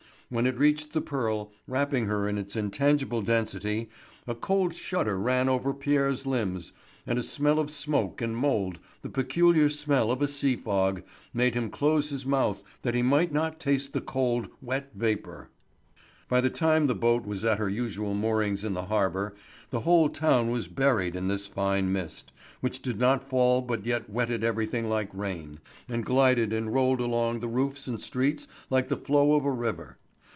When it reached the Pearl, wrapping her in its intangible density, a cold shudder ran over Pierre's limbs, and a smell of smoke and mould, the peculiar smell of a sea fog, made him close his mouth that he might not taste the cold, wet vapour. By the time the boat was at her usual moorings in the harbour the whole town was buried in this fine mist, which did not fall but yet wetted everything like rain, and glided and rolled along the roofs and streets like the flow of a river.